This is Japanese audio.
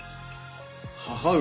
母上。